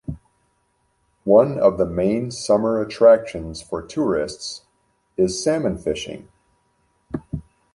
One of the main summer attractions for tourists is salmon fishing.